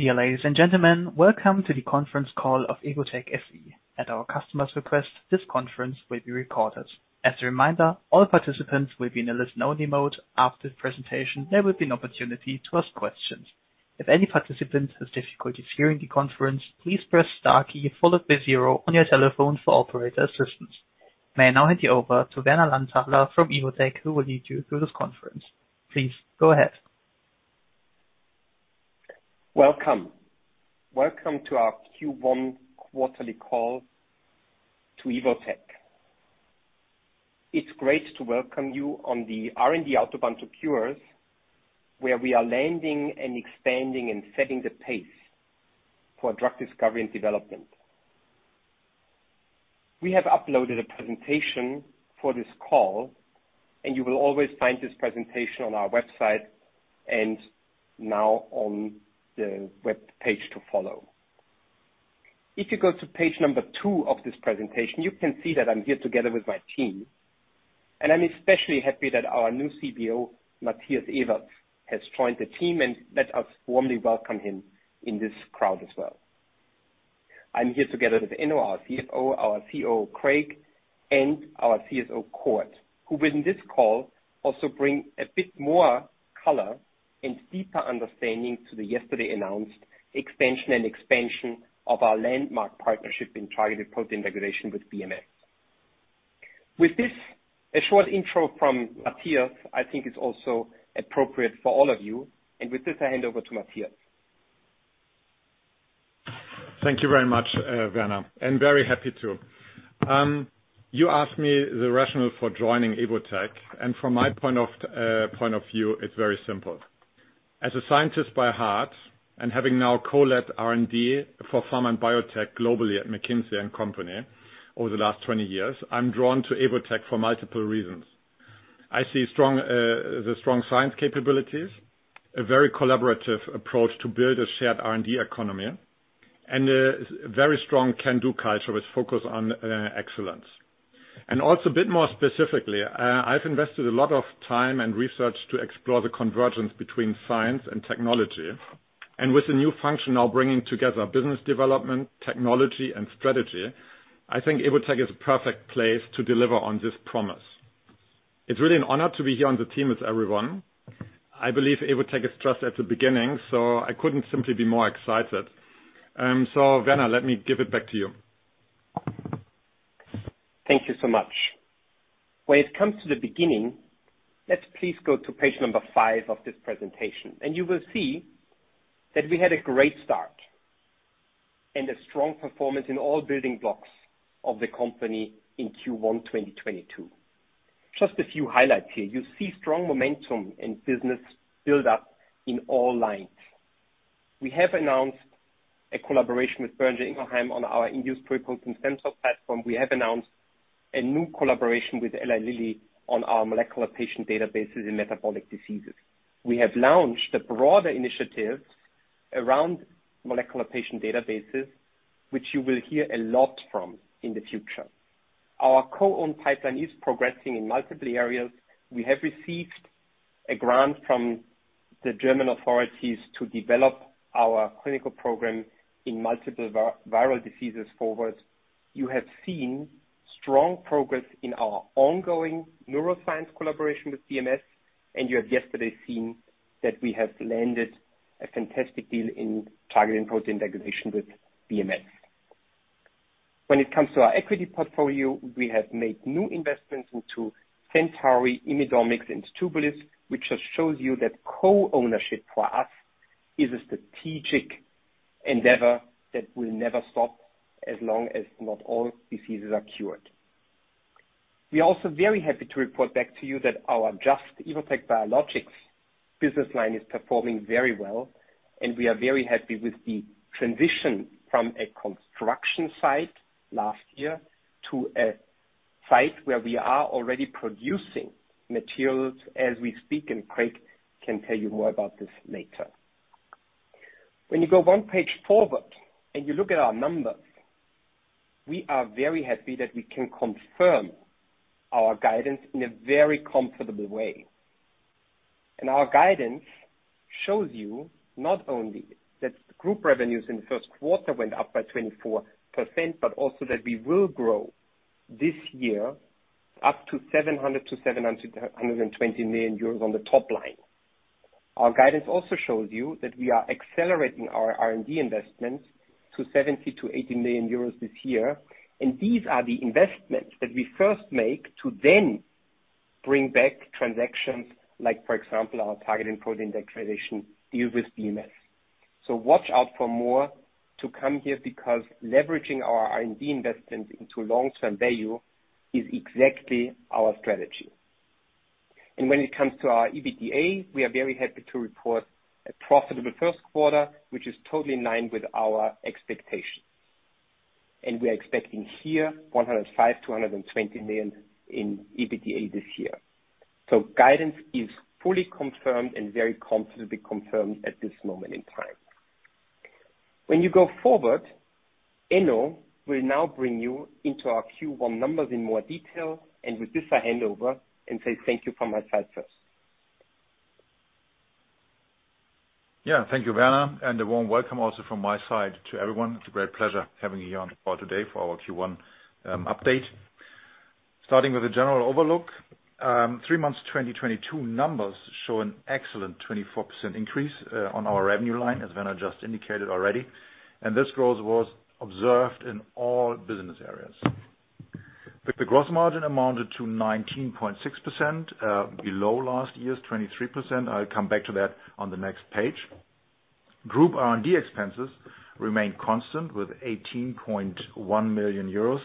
Dear ladies and gentlemen, welcome to the conference call of Evotec SE. At our customer's request, this conference will be recorded. As a reminder, all participants will be in a listen-only mode. After the presentation, there will be an opportunity to ask questions. If any participant has difficulties hearing the conference, please press star key followed by zero on your telephone for operator assistance. May I now hand you over to Werner Lanthaler from Evotec, who will lead you through this conference. Please go ahead. Welcome. Welcome to our Q1 quarterly call to Evotec. It's great to welcome you on the R&D Autobahn to Cures, where we are landing and expanding and setting the pace for drug discovery and development. We have uploaded a presentation for this call, and you will always find this presentation on our website and now on the web page to follow. If you go to page two of this presentation, you can see that I'm here together with my team, and I'm especially happy that our new CBO, Matthias Evers, has joined the team and let us warmly welcome him in this crowd as well. I'm here together with Enno, our CFO, our COO, Craig, and our CSO, Cord, who will in this call also bring a bit more color and deeper understanding to the yesterday announced expansion of our landmark partnership in targeted protein degradation with BMS. With this, a short intro from Matthias, I think is also appropriate for all of you. With this, I hand over to Matthias. Thank you very much, Werner. I'm very happy too. You asked me the rationale for joining Evotec, and from my point of view, it's very simple. As a scientist by heart and having now co-led R&D for pharma and biotech globally at McKinsey & Company over the last 20 years, I'm drawn to Evotec for multiple reasons. I see the strong science capabilities, a very collaborative approach to build a shared R&D economy, and a very strong can-do culture with focus on excellence. Also a bit more specifically, I've invested a lot of time and research to explore the convergence between science and technology. With the new function now bringing together business development, technology, and strategy, I think Evotec is a perfect place to deliver on this promise. It's really an honor to be here on the team with everyone. I believe Evotec is just at the beginning, so I couldn't simply be more excited. Werner, let me give it back to you. Thank you so much. When it comes to the beginning, let's please go to page number five of this presentation. You will see that we had a great start and a strong performance in all building blocks of the company in Q1 2022. Just a few highlights here. You see strong momentum in business build-up in all lines. We have announced a collaboration with Boehringer Ingelheim on our induced protein sensor platform. We have announced a new collaboration with Eli Lilly on our molecular patient databases in metabolic diseases. We have launched a broader initiative around molecular patient databases, which you will hear a lot from in the future. Our co-owned pipeline is progressing in multiple areas. We have received a grant from the German authorities to develop our clinical program in multiple viral diseases forward. You have seen strong progress in our ongoing neuroscience collaboration with BMS, and you have yesterday seen that we have landed a fantastic deal in targeted protein degradation with BMS. When it comes to our equity portfolio, we have made new investments into Centauri, IMIDomics, and Tubulis, which just shows you that co-ownership for us is a strategic endeavor that will never stop as long as not all diseases are cured. We are also very happy to report back to you that our Just – Evotec Biologics business line is performing very well, and we are very happy with the transition from a construction site last year to a site where we are already producing materials as we speak, and Craig can tell you more about this later. When you go one page forward and you look at our numbers, we are very happy that we can confirm our guidance in a very comfortable way. Our guidance shows you not only that group revenues in the first quarter went up by 24%, but also that we will grow this year up to 700 million-720 million euros on the top line. Our guidance also shows you that we are accelerating our R&D investments to 70 million-80 million euros this year. These are the investments that we first make to then bring back transactions like, for example, our targeted protein degradation deal with BMS. Watch out for more to come here because leveraging our R&D investments into long-term value is exactly our strategy. When it comes to our EBITDA, we are very happy to report a profitable first quarter, which is totally in line with our expectations. We are expecting here 105 million-120 million in EBITDA this year. Guidance is fully confirmed and very comfortably confirmed at this moment in time. When you go forward, Enno will now bring you into our Q1 numbers in more detail. With this, I hand over and say thank you from my side first. Yeah. Thank you, Werner, and a warm welcome also from my side to everyone. It's a great pleasure having you on the call today for our Q1 update. Starting with a general overview. Three months 2022 numbers show an excellent 24% increase on our revenue line, as Werner just indicated already. This growth was observed in all business areas. The gross margin amounted to 19.6%, below last year's 23%. I'll come back to that on the next page. Group R&D expenses remained constant with 18.1 million euros.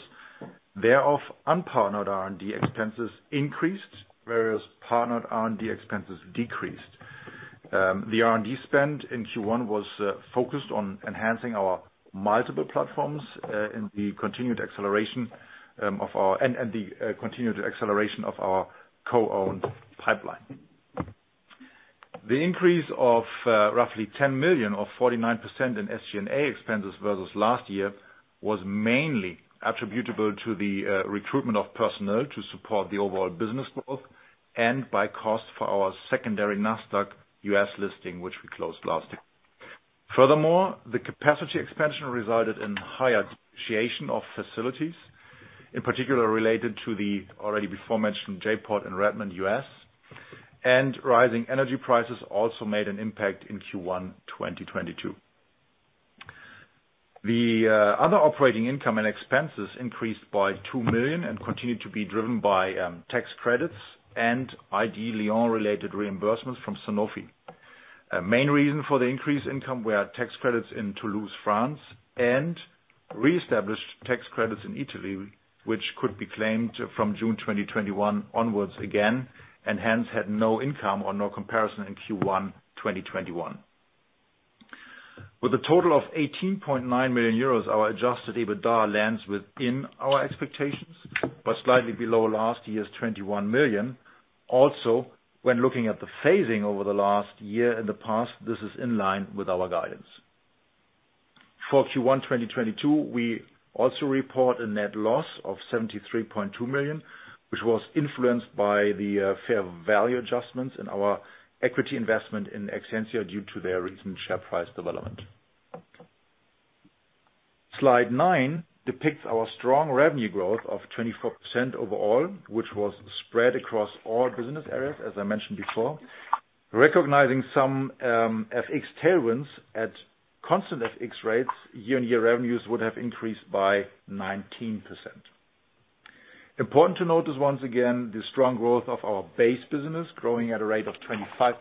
Thereof, unpartnered R&D expenses increased, whereas partnered R&D expenses decreased. The R&D spend in Q1 was focused on enhancing our multiple platforms and the continued acceleration of our co-owned pipeline. The increase of roughly 10 million or 49% in SG&A expenses versus last year was mainly attributable to the recruitment of personnel to support the overall business growth and by costs for our secondary Nasdaq U.S. listing, which we closed last year. Furthermore, the capacity expansion resulted in higher depreciation of facilities, in particular related to the already before mentioned J.POD in Redmond, U.S. Rising energy prices also made an impact in Q1 2022. The other operating income and expenses increased by 2 million and continued to be driven by tax credits and ID Lyon related reimbursements from Sanofi. A main reason for the increased income were tax credits in Toulouse, France, and reestablished tax credits in Italy, which could be claimed from June 2021 onwards again, and hence had no income or no comparison in Q1 2021. With a total of 18.9 million euros, our adjusted EBITDA lands within our expectations, but slightly below last year's 21 million. Also, when looking at the phasing over the last year in the past, this is in line with our guidance. For Q1 2022, we also report a net loss of 73.2 million, which was influenced by the fair value adjustments in our equity investment in Exscientia due to their recent share price development. Slide nine depicts our strong revenue growth of 24% overall, which was spread across all business areas, as I mentioned before. Recognizing some FX tailwinds at constant FX rates, year-on-year revenues would have increased by 19%. Important to note is, once again, the strong growth of our base business growing at a rate of 25%.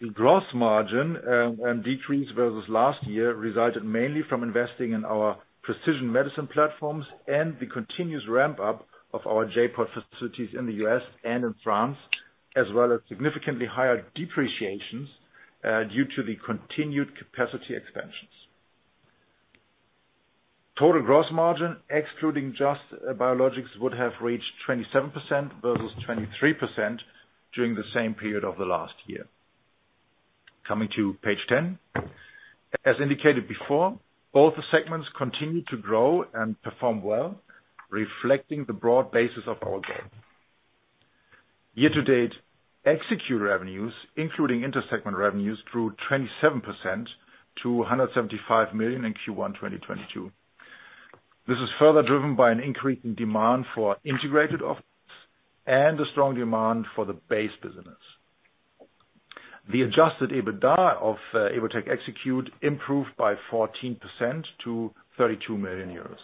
The gross margin decrease versus last year resulted mainly from investing in our precision medicine platforms and the continuous ramp up of our J.POD facilities in the U.S. and in France, as well as significantly higher depreciations due to the continued capacity expansions. Total gross margin, excluding Just – Evotec Biologics, would have reached 27% versus 23% during the same period of the last year. Coming to page 10. As indicated before, both segments continued to grow and perform well, reflecting the broad basis of our goal. Year-to-date EVT Execute revenues, including inter-segment revenues, grew 27% to 175 million in Q1 2022. This is further driven by an increase in demand for integrated offerings and a strong demand for the base business. The adjusted EBITDA of Evotec EVT Execute improved by 14% to 32 million euros.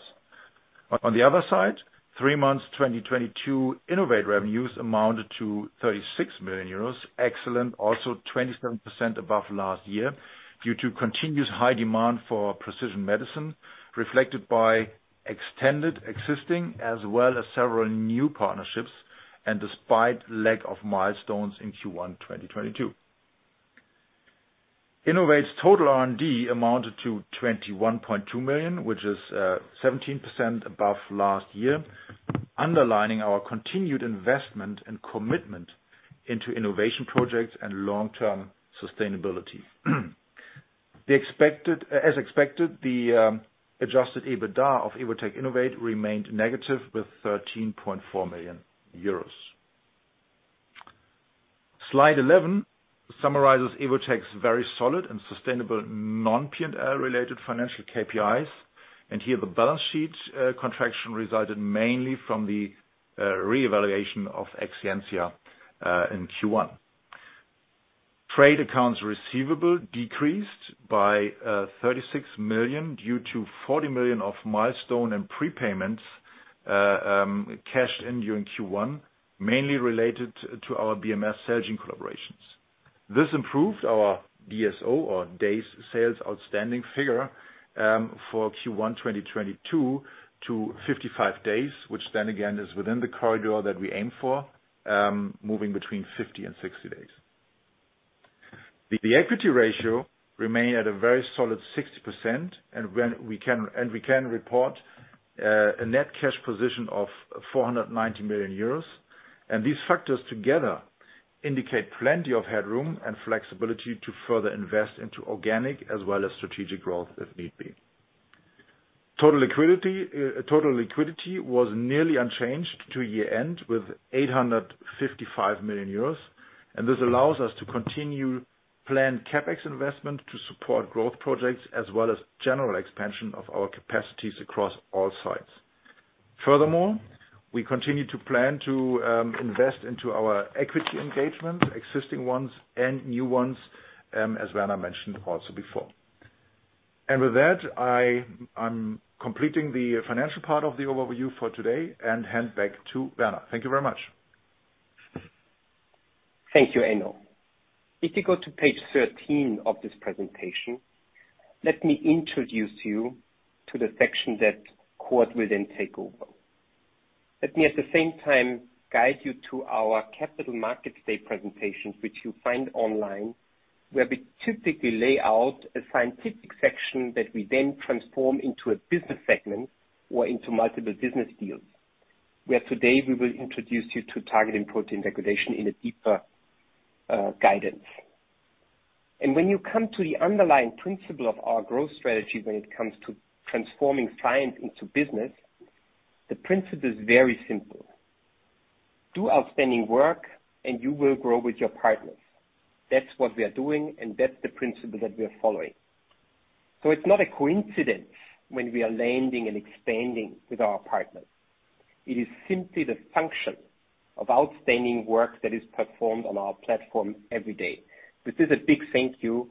On the other side, first three months of 2022 Innovate revenues amounted to 36 million euros. Excellent, also 27% above last year due to continuous high demand for precision medicine, reflected by extended existing as well as several new partnerships, and despite lack of milestones in Q1 2022. Innovate's total R&D amounted to 21.2 million, which is 17% above last year, underlining our continued investment and commitment into innovation projects and long-term sustainability. As expected, the adjusted EBITDA of Evotec Innovate remained negative with 13.4 million euros. Slide 11 summarizes Evotec's very solid and sustainable non-P&L related financial KPIs. Here the balance sheet contraction resulted mainly from the revaluation of Exscientia in Q1. Trade accounts receivable decreased by 36 million due to 40 million of milestone and prepayments cashed in during Q1, mainly related to our BMS Celgene collaborations. This improved our DSO or days sales outstanding figure for Q1 2022 to 55 days, which then again is within the corridor that we aim for, moving between 50 and 60 days. The equity ratio remained at a very solid 60%, and we can report a net cash position of 490 million euros. These factors together indicate plenty of headroom and flexibility to further invest into organic as well as strategic growth if need be. Total liquidity was nearly unchanged to year-end with 855 million euros and this allows us to continue planned CapEx investment to support growth projects as well as general expansion of our capacities across all sites. Furthermore, we continue to plan to invest into our equity engagement, existing ones and new ones, as Werner mentioned also before. With that, I'm completing the financial part of the overview for today and hand back to Werner. Thank you very much. Thank you, Enno. If you go to page thirteen of this presentation, let me introduce you to the section that Cord will then take over. Let me, at the same time, guide you to our capital markets day presentation, which you'll find online, where we typically lay out a scientific section that we then transform into a business segment or into multiple business deals, where today we will introduce you to targeted protein degradation in a deeper guidance. When you come to the underlying principle of our growth strategy when it comes to transforming science into business, the principle is very simple. Do outstanding work and you will grow with your partners. That's what we are doing, and that's the principle that we are following. It's not a coincidence when we are landing and expanding with our partners. It is simply the function of outstanding work that is performed on our platform every day. This is a big thank you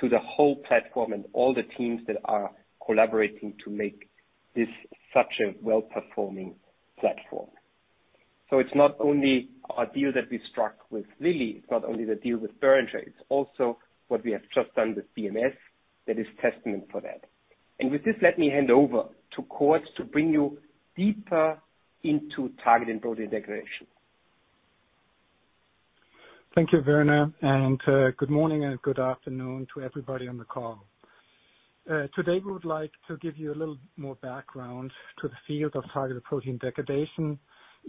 to the whole platform and all the teams that are collaborating to make this such a well-performing platform. It's not only a deal that we struck with Lilly, it's not only the deal with Boehringer, it's also what we have just done with BMS that is testament for that. With this, let me hand over to Cord to bring you deeper into targeted protein degradation. Thank you, Werner, and good morning and good afternoon to everybody on the call. Today we would like to give you a little more background to the field of targeted protein degradation,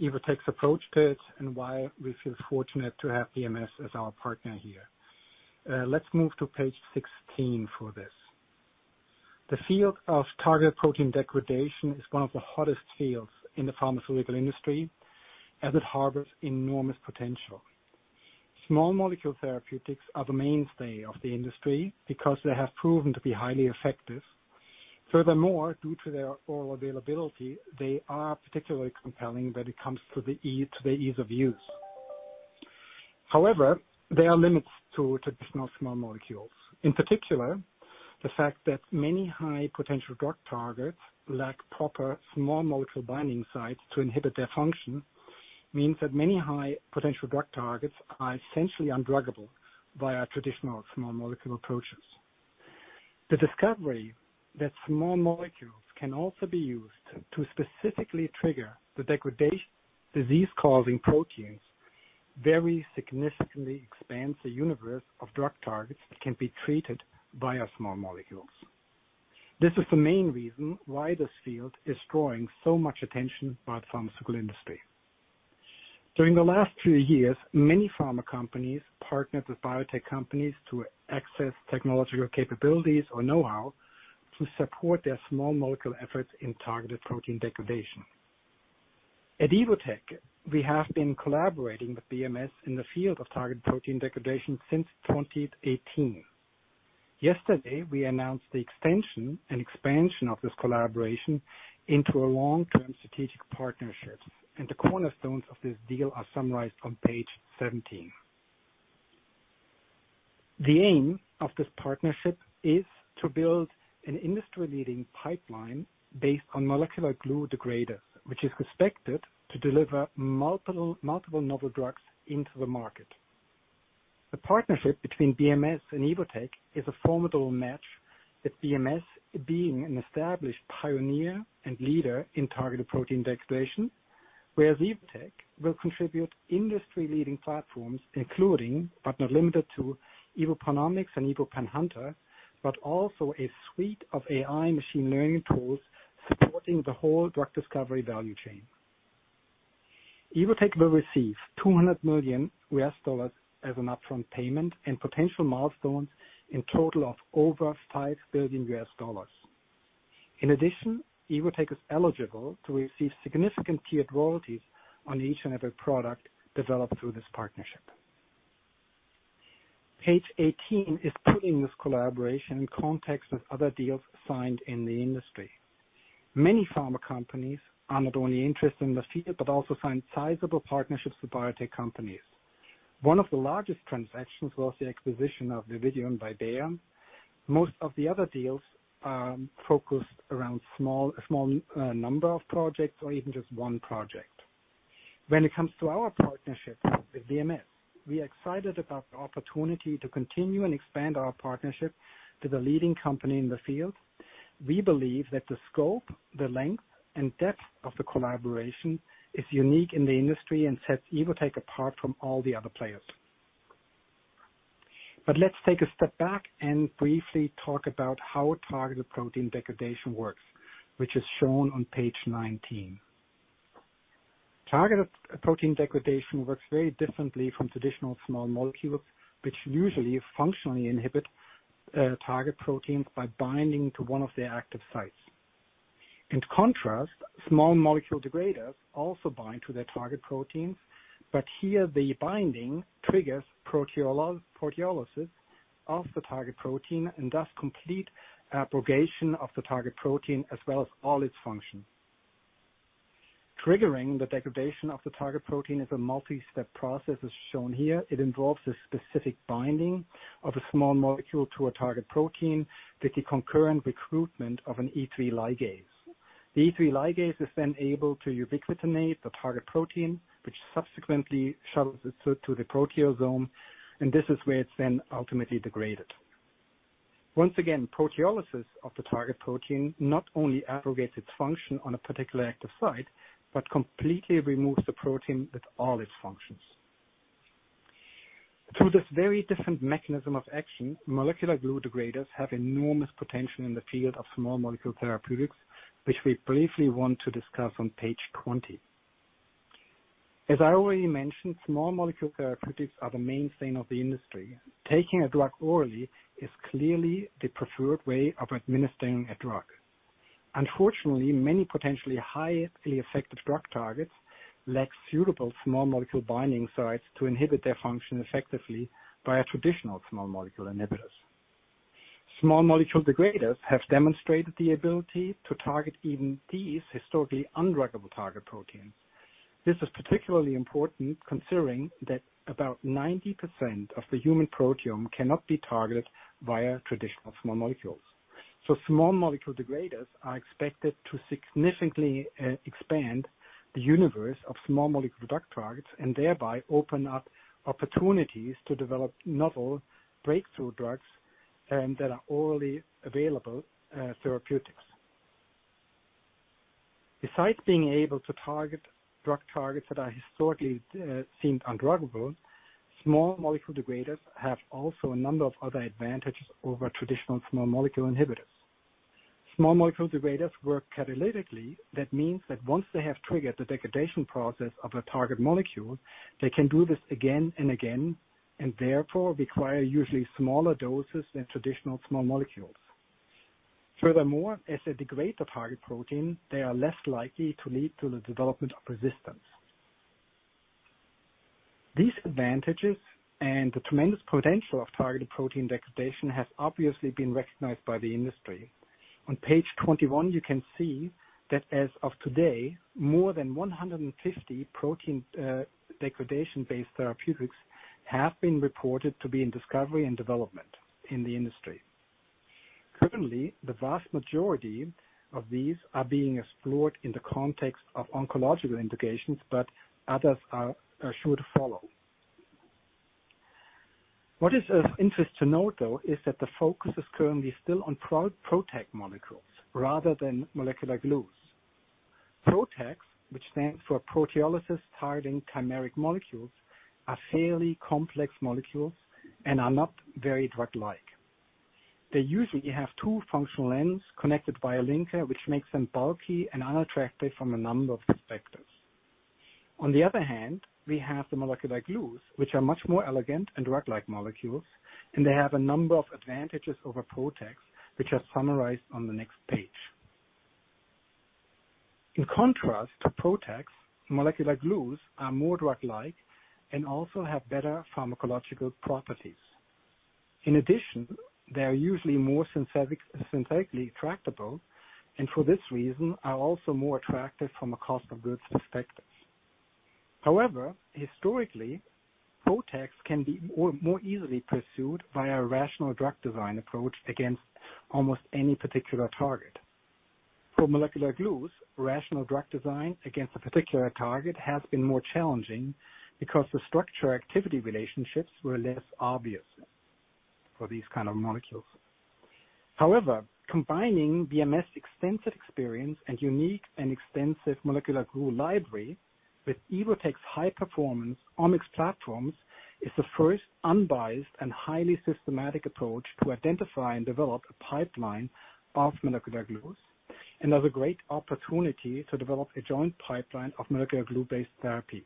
Evotec's approach to it, and why we feel fortunate to have BMS as our partner here. Let's move to page 16 for this. The field of targeted protein degradation is one of the hottest fields in the pharmaceutical industry, and it harbors enormous potential. Small molecule therapeutics are the mainstay of the industry because they have proven to be highly effective. Furthermore, due to their oral availability, they are particularly compelling when it comes to the ease of use. However, there are limits to traditional small molecules. In particular, the fact that many high-potential drug targets lack proper small molecule binding sites to inhibit their function means that many high-potential drug targets are essentially undruggable via traditional small molecule approaches. The discovery that small molecules can also be used to specifically trigger the degradation of disease-causing proteins very significantly expands the universe of drug targets that can be treated via small molecules. This is the main reason why this field is drawing so much attention by the pharmaceutical industry. During the last few years, many pharma companies partnered with biotech companies to access technological capabilities or know-how to support their small molecule efforts in targeted protein degradation. At Evotec, we have been collaborating with BMS in the field of targeted protein degradation since 2018. Yesterday, we announced the extension and expansion of this collaboration into a long-term strategic partnership, and the cornerstones of this deal are summarized on page 17. The aim of this partnership is to build an industry-leading pipeline based on molecular glue degrader, which is expected to deliver multiple novel drugs into the market. The partnership between BMS and Evotec is a formidable match, with BMS being an established pioneer and leader in targeted protein degradation, whereas Evotec will contribute industry-leading platforms including, but not limited to, EVOpanOmics and EVOpanHunter, but also a suite of AI machine learning tools supporting the whole drug discovery value chain. Evotec will receive $200 million as an upfront payment and potential milestones in total of over $5 billion. In addition, Evotec is eligible to receive significant tiered royalties on each and every product developed through this partnership. Page 18 is putting this collaboration in context of other deals signed in the industry. Many pharma companies are not only interested in the field, but also sign sizable partnerships with biotech companies. One of the largest transactions was the acquisition of Vividion by Bayer. Most of the other deals focused around small number of projects or even just one project. When it comes to our partnership with BMS, we are excited about the opportunity to continue and expand our partnership with a leading company in the field. We believe that the scope, the length, and depth of the collaboration is unique in the industry and sets Evotec apart from all the other players. Let's take a step back and briefly talk about how targeted protein degradation works, which is shown on page 19. Targeted protein degradation works very differently from traditional small molecules, which usually functionally inhibit target proteins by binding to one of their active sites. In contrast, small molecule degraders also bind to their target proteins, but here the binding triggers proteolysis of the target protein and thus complete abrogation of the target protein as well as all its function. Triggering the degradation of the target protein is a multi-step process, as shown here. It involves a specific binding of a small molecule to a target protein with the concurrent recruitment of an E3 ligase. The E3 ligase is then able to ubiquitinate the target protein, which subsequently shuttles it to the proteasome, and this is where it's then ultimately degraded. Once again, proteolysis of the target protein not only abrogates its function on a particular active site, but completely removes the protein with all its functions. Through this very different mechanism of action, molecular glue degraders have enormous potential in the field of small molecule therapeutics, which we briefly want to discuss on page 20. As I already mentioned, small molecule therapeutics are the mainstay of the industry. Taking a drug orally is clearly the preferred way of administering a drug. Unfortunately, many potentially highly effective drug targets lack suitable small molecule binding sites to inhibit their function effectively via traditional small molecule inhibitors. Small molecule degraders have demonstrated the ability to target even these historically undruggable target proteins. This is particularly important considering that about 90% of the human proteome cannot be targeted via traditional small molecules. Small molecule degraders are expected to significantly expand the universe of small molecule drug targets and thereby open up opportunities to develop novel breakthrough drugs and that are orally available therapeutics. Besides being able to target drug targets that are historically seemed undruggable, small molecule degraders have also a number of other advantages over traditional small molecule inhibitors. Small molecule degraders work catalytically. That means that once they have triggered the degradation process of a target molecule, they can do this again and again, and therefore require usually smaller doses than traditional small molecules. Furthermore, as a degrader target protein, they are less likely to lead to the development of resistance. These advantages and the tremendous potential of targeted protein degradation has obviously been recognized by the industry. On page 21, you can see that as of today, more than 150 protein degradation-based therapeutics have been reported to be in discovery and development in the industry. Currently, the vast majority of these are being explored in the context of oncological indications, but others are sure to follow. What is of interest to note, though, is that the focus is currently still on PROTAC molecules rather than molecular glues. PROTACs, which stands for proteolysis targeting chimeric molecules, are fairly complex molecules and are not very drug-like. They usually have two functional ends connected by a linker, which makes them bulky and unattractive from a number of perspectives. On the other hand, we have the molecular glues, which are much more elegant and drug-like molecules, and they have a number of advantages over PROTACs, which are summarized on the next page. In contrast to PROTACs, molecular glues are more drug-like and also have better pharmacological properties. In addition, they are usually more synthetically tractable, and for this reason are also more attractive from a cost of goods perspective. However, historically, PROTACs can be more easily pursued via a rational drug design approach against almost any particular target. For molecular glues, rational drug design against a particular target has been more challenging because the structure activity relationships were less obvious for these kind of molecules. However, combining BMS's extensive experience and unique and extensive molecular glue library with Evotec's high-performance Omics platforms is the first unbiased and highly systematic approach to identify and develop a pipeline of molecular glues, and are a great opportunity to develop a joint pipeline of molecular glue-based therapies.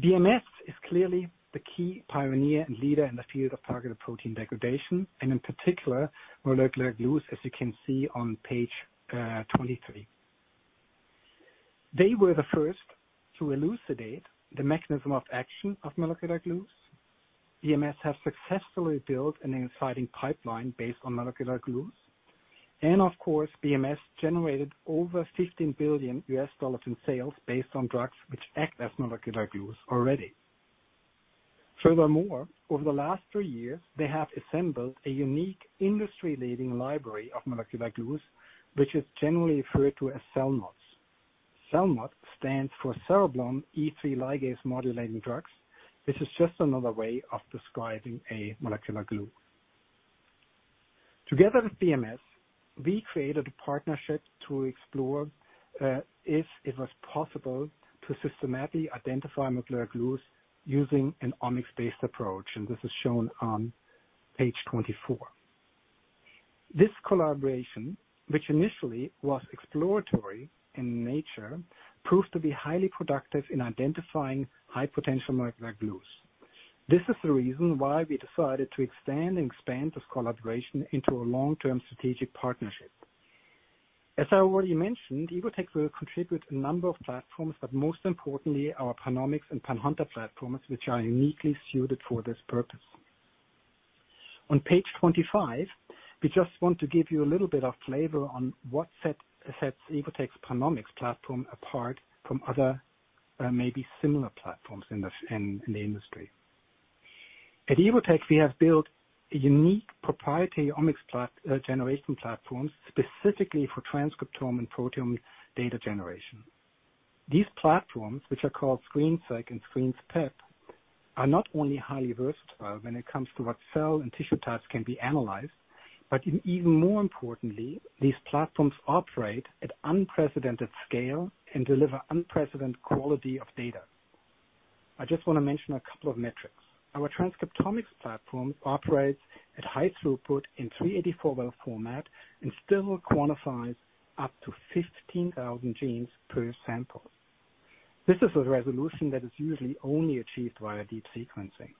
BMS is clearly the key pioneer and leader in the field of targeted protein degradation, and in particular, molecular glues, as you can see on page 23. They were the first to elucidate the mechanism of action of molecular glues. BMS has successfully built an exciting pipeline based on molecular glues, and of course, BMS generated over $15 billion in sales based on drugs which act as molecular glues already. Furthermore, over the last three years, they have assembled a unique industry-leading library of molecular glues, which is generally referred to as CELMoDs. CELMoD stands for Cereblon E3 Ligase Modulatory Drugs. This is just another way of describing a molecular glue. Together with BMS, we created a partnership to explore if it was possible to systematically identify molecular glues using an omics-based approach, and this is shown on page 24. This collaboration, which initially was exploratory in nature, proved to be highly productive in identifying high potential molecular glues. This is the reason why we decided to expand this collaboration into a long-term strategic partnership. As I already mentioned, Evotec will contribute a number of platforms, but most importantly, our PanOmics and PanHunter platforms, which are uniquely suited for this purpose. On page 25, we just want to give you a little bit of flavor on what sets Evotec's PanOmics platform apart from other maybe similar platforms in the industry. At Evotec, we have built a unique proprietary omics generation platforms specifically for transcriptome and proteome data generation. These platforms, which are called ScreenSeq and ScreenPep, are not only highly versatile when it comes to what cell and tissue types can be analyzed, but even more importantly, these platforms operate at unprecedented scale and deliver unprecedented quality of data. I just wanna mention a couple of metrics. Our transcriptomics platform operates at high throughput in 384-well format and still quantifies up to 15,000 genes per sample. This is a resolution that is usually only achieved via deep sequencing.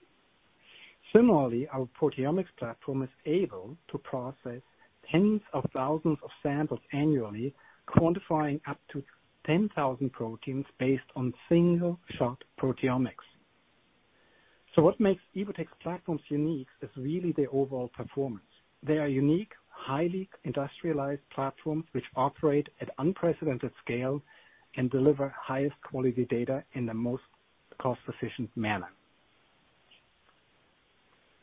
Similarly, our proteomics platform is able to process `10s of thousands of samples annually, quantifying up to 10,000 proteins based on single shot proteomics. What makes Evotec platforms unique is really their overall performance. They are unique, highly industrialized platforms which operate at unprecedented scale and deliver highest quality data in the most cost efficient manner.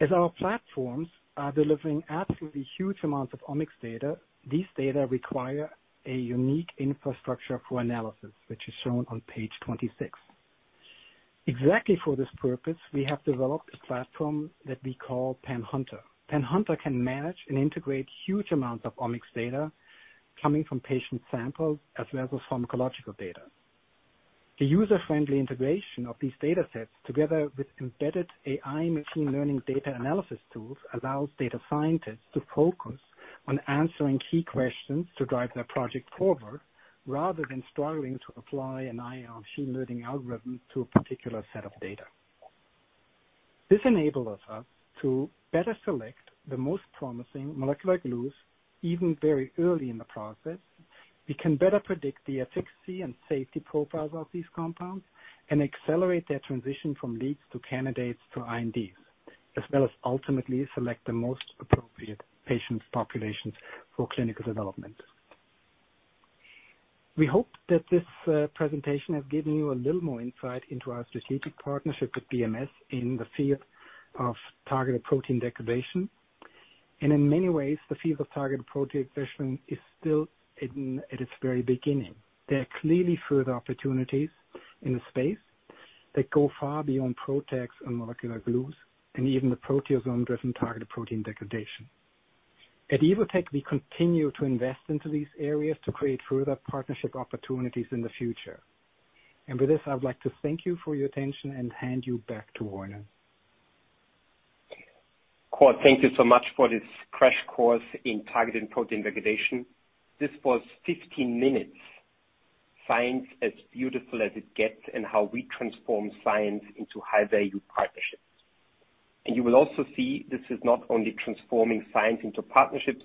As our platforms are delivering absolutely huge amounts of omics data, these data require a unique infrastructure for analysis, which is shown on page 26. Exactly for this purpose, we have developed a platform that we call PanHunter. PanHunter can manage and integrate huge amounts of omics data coming from patient samples as well as pharmacological data. The user-friendly integration of these data sets, together with embedded AI machine learning data analysis tools, allows data scientists to focus on answering key questions to drive their project forward rather than struggling to apply an AI machine learning algorithm to a particular set of data. This enables us to better select the most promising molecular glues, even very early in the process. We can better predict the efficacy and safety profiles of these compounds and accelerate their transition from leads to candidates to IND, as well as ultimately select the most appropriate patient populations for clinical development. We hope that this presentation has given you a little more insight into our strategic partnership with BMS in the field of targeted protein degradation. In many ways, the field of targeted protein degradation is still at its very beginning. There are clearly further opportunities in the space that go far beyond PROTACs and molecular glues and even the proteasome-driven targeted protein degradation. At Evotec, we continue to invest into these areas to create further partnership opportunities in the future. With this, I would like to thank you for your attention and hand you back to Werner. Cord, thank you so much for this crash course in targeted protein degradation. This was 15 minutes, science as beautiful as it gets, and how we transform science into high-value partnerships. You will also see this is not only transforming science into partnerships,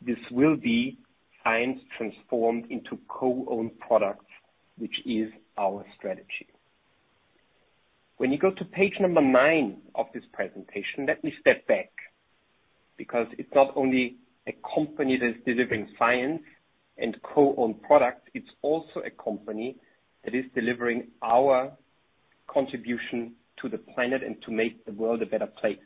this will be science transformed into co-owned products, which is our strategy. When you go to page number nine of this presentation, let me step back because it's not only a company that's delivering science and co-owned products, it's also a company that is delivering our contribution to the planet and to make the world a better place.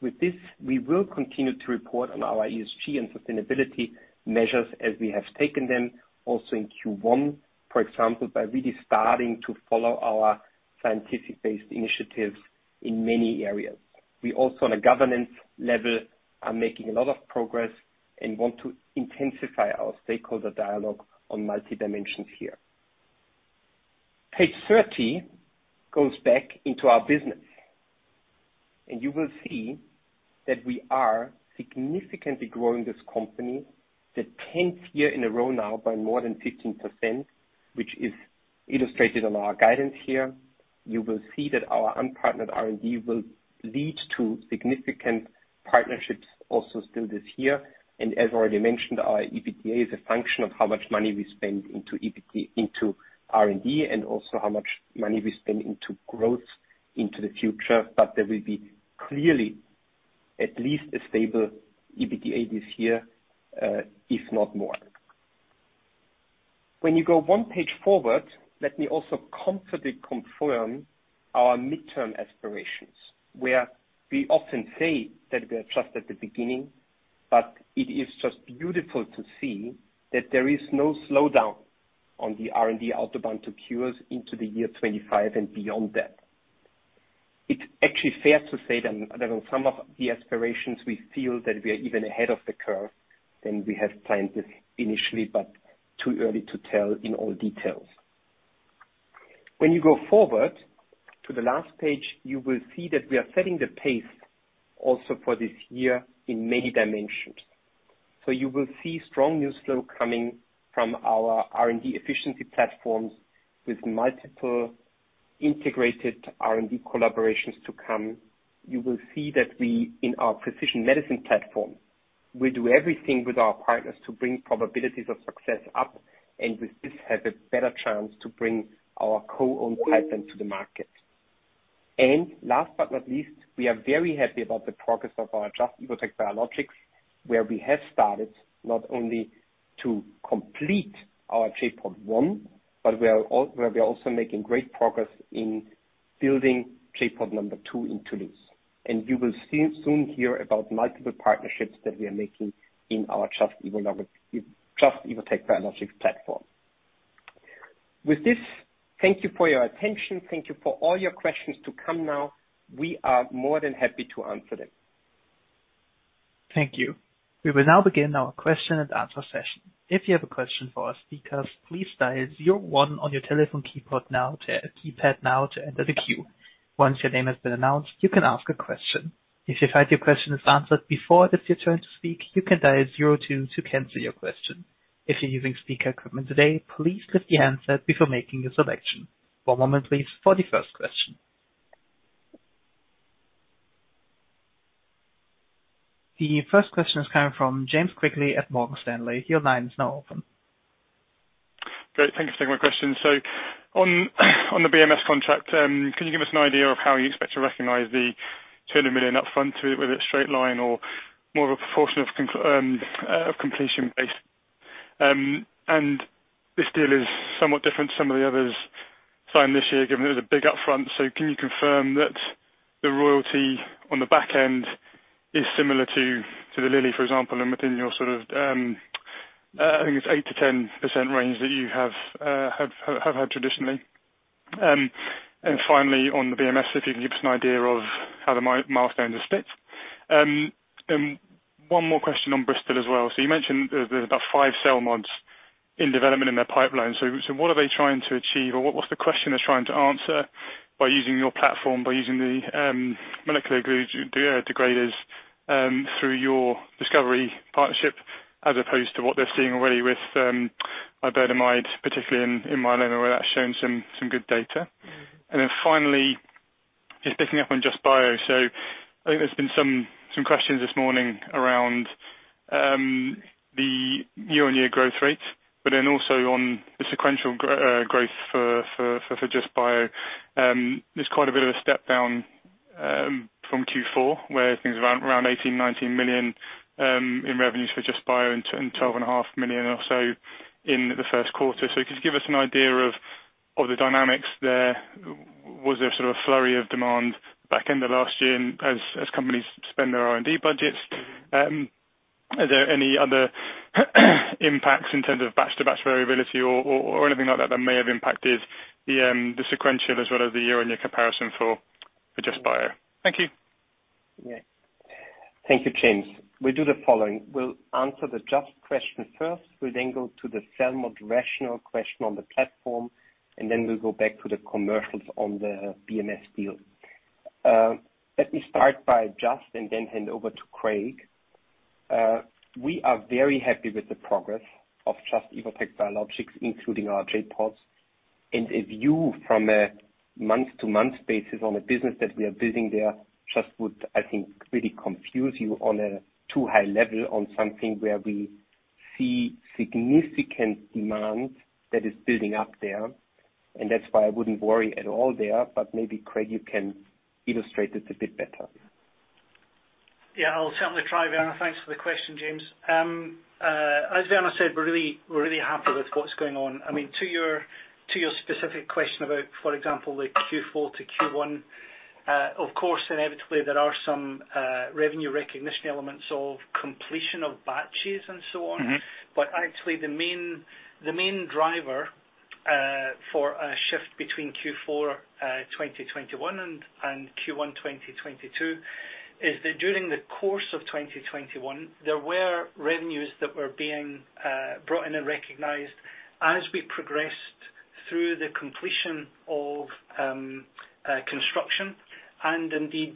With this, we will continue to report on our ESG and sustainability measures as we have taken them also in Q1, for example, by really starting to follow our science-based initiatives in many areas. We also on a governance level are making a lot of progress and want to intensify our stakeholder dialogue on multi dimensions here. Page 30 goes back into our business. You will see that we are significantly growing this company the 10th year in a row now by more than 15%, which is illustrated on our guidance here. You will see that our unpartnered R&D will lead to significant partnerships also still this year. As already mentioned, our EBITDA is a function of how much money we spend into R&D and also how much money we spend into growth into the future. There will be clearly at least a stable EBITDA this year, if not more. When you go one page forward, let me also confidently confirm our midterm aspirations, where we often say that we are just at the beginning, but it is just beautiful to see that there is no slowdown on the R&D Autobahn to Cures into the year 2025 and beyond that. It's actually fair to say that on some of the aspirations, we feel that we are even ahead of the curve than we had planned this initially, but too early to tell in all details. When you go forward to the last page, you will see that we are setting the pace also for this year in many dimensions. You will see strong news flow coming from our R&D efficiency platforms with multiple integrated R&D collaborations to come. You will see that we, in our precision medicine platform, we do everything with our partners to bring probabilities of success up, and with this have a better chance to bring our co-owned pipeline to the market. Last but not least, we are very happy about the progress of our Just – Evotec Biologics, where we have started not only to complete our J.POD one, but where we are also making great progress in building J.POD number two in Toulouse. You will soon hear about multiple partnerships that we are making in our Just – Evotec Biologics platform. With this, thank you for your attention. Thank you for all your questions to come now. We are more than happy to answer them. Thank you. We will now begin our question and answer session. If you have a question for our speakers, please dial zero one on your telephone keypad now to enter the queue. Once your name has been announced, you can ask a question. If you find your question is answered before it is your turn to speak, you can dial zero two to cancel your question. If you're using speaker equipment today, please click the handset before making your selection. One moment, please, for the first question. The first question is coming from James Quigley at Morgan Stanley. Your line is now open. Great, thank you for taking my question. On the BMS contract, can you give us an idea of how you expect to recognize the 20 million upfront, whether it's straight line or more of a proportion of completion basis? This deal is somewhat different to some of the others signed this year, given there's a big upfront. Can you confirm that the royalty on the back end is similar to the Lilly, for example, and within your sort of, I think it's 8%-10% range that you have had traditionally? Finally, on the BMS, if you can give us an idea of how the milestones are split. One more question on Bristol as well. You mentioned there's about five CELMoDs in development in their pipeline What are they trying to achieve or what's the question they're trying to answer by using your platform, by using the molecular glue degraders through your discovery partnership, as opposed to what they're seeing already with Iberdomide, particularly in myeloma, where that's shown some good data. Then finally, just picking up on Just – Evotec Biologics. I think there's been some questions this morning around the year-on-year growth rate, but then also on the sequential growth for Just – Evotec Biologics. There's quite a bit of a step down from Q4 where things around 18 million-19 million in revenues for Just – Evotec Biologics and 12.5 million or so in the first quarter. Could you give us an idea of the dynamics there? Was there sort of a flurry of demand back end of last year as companies spend their R&D budgets? Are there any other impacts in terms of batch to batch variability or anything like that that may have impacted the sequential as well as the year-on-year comparison for Just – Evotec Biologics? Thank you. Yeah. Thank you, James. We'll do the following. We'll answer the Just question first, we'll then go to the CELMoD rationale question on the platform, and then we'll go back to the commercials on the BMS deal. Let me start by Just and then hand over to Craig. We are very happy with the progress of Just Evotec Biologics, including our J.PODs. A view from a month-to-month basis on the business that we are building there just would, I think, really confuse you on a too high level on something where we see significant demand that is building up there. That's why I wouldn't worry at all there. Maybe, Craig, you can illustrate it a bit better. Yeah, I'll certainly try, Werner. Thanks for the question, James. As Werner said, we're really happy with what's going on. I mean, to your specific question about, for example, the Q4 to Q1, of course, inevitably there are some revenue recognition elements of completion of batches and so on. Mm-hmm. Actually the main driver for a shift between Q4 2021 and Q1 2022 is that during the course of 2021, there were revenues that were being brought in and recognized as we progressed through the completion of construction and indeed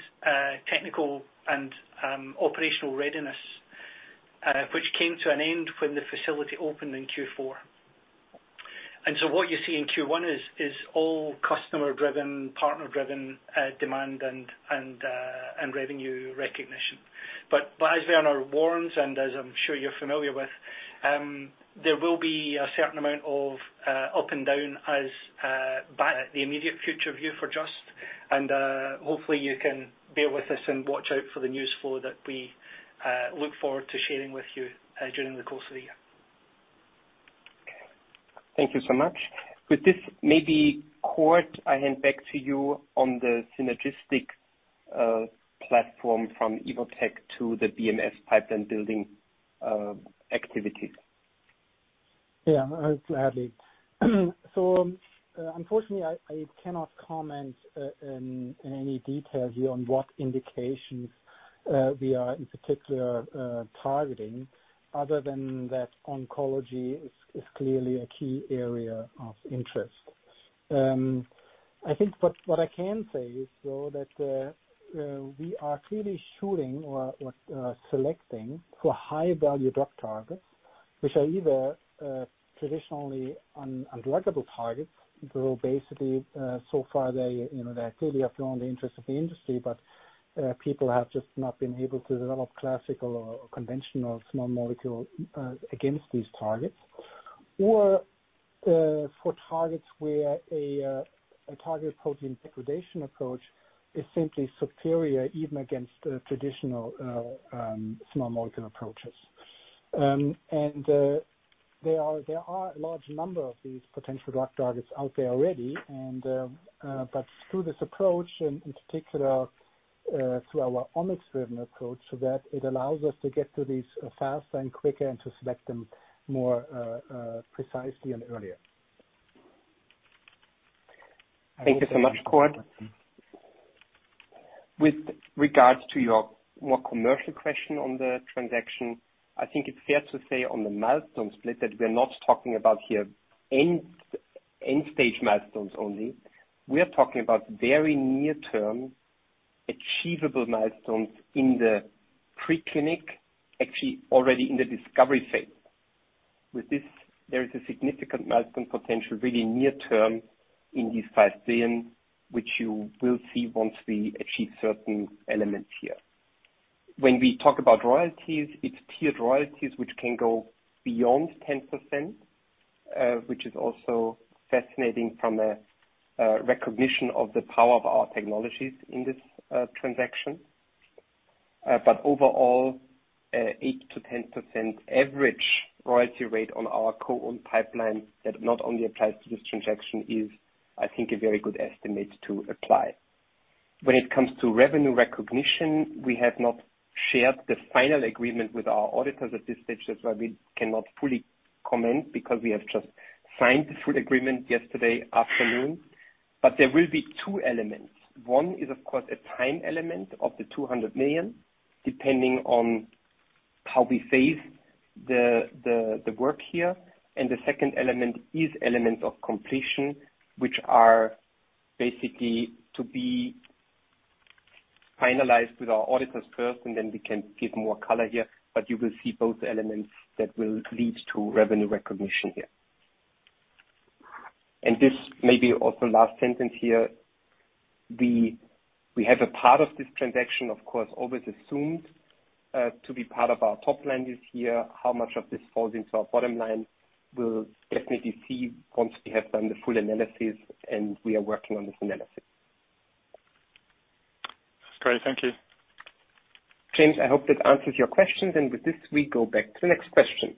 technical and operational readiness, which came to an end when the facility opened in Q4. What you see in Q1 is all customer-driven, partner-driven demand and revenue recognition. As Werner warns, and as I'm sure you're familiar with, there will be a certain amount of up and down as the immediate future view for Just and hopefully you can bear with us and watch out for the news flow that we look forward to sharing with you during the course of the year. Okay. Thank you so much. With this, maybe, Cord, I hand back to you on the synergistic platform from Evotec to the BMS pipeline building activities. Yeah, gladly. Unfortunately, I cannot comment in any detail here on what indications we are in particular targeting other than that oncology is clearly a key area of interest. I think what I can say is though that we are clearly shooting or selecting for high value drug targets, which are either traditionally undruggable targets. So basically, so far they you know they clearly have drawn the interest of the industry, but people have just not been able to develop classical or conventional small molecule against these targets. Or for targets where a target protein degradation approach is simply superior even against traditional small molecule approaches. There are a large number of these potential drug targets out there already, but through this approach and in particular through our omics-driven approach, so that it allows us to get to these faster and quicker and to select them more precisely and earlier. Thank you so much, Cord. With regards to your more commercial question on the transaction, I think it's fair to say on the milestone split that we're not talking about end-stage milestones only. We are talking about very near-term achievable milestones in the pre-clinic, actually already in the discovery phase. With this, there is a significant milestone potential really near-term in these 5 billion, which you will see once we achieve certain elements here. When we talk about royalties, it's tiered royalties which can go beyond 10%, which is also fascinating from a recognition of the power of our technologies in this transaction. Overall, 8%-10% average royalty rate on our co-owned pipeline that not only applies to this transaction is, I think, a very good estimate to apply. When it comes to revenue recognition, we have not shared the final agreement with our auditors at this stage. That's why we cannot fully comment because we have just signed the full agreement yesterday afternoon. There will be two elements. One is, of course, a time element of the 200 million, depending on how we phase the work here. The second element is elements of completion, which are basically to be finalized with our auditors first, and then we can give more color here. You will see both elements that will lead to revenue recognition here. This may be also last sentence here. We have a part of this transaction, of course, always assumed to be part of our top line this year. How much of this falls into our bottom line? We'll definitely see once we have done the full analysis, and we are working on this analysis. Great. Thank you. James, I hope that answers your questions. With this, we go back to the next question.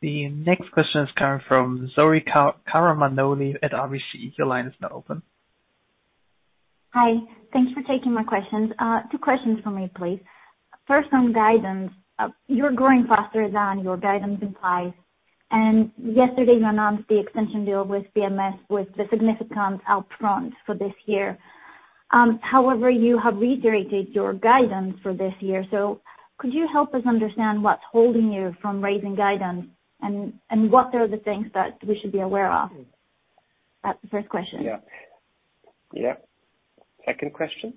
The next question is coming from Zoe Karamanoli at RBC. Your line is now open. Hi. Thanks for taking my questions. Two questions from me, please. First, on guidance. You're growing faster than your guidance implies. Yesterday you announced the extension deal with BMS with the significant upfront for this year. However, you have reiterated your guidance for this year. Could you help us understand what's holding you from raising guidance and what are the things that we should be aware of? That's the first question. Yeah. Second question.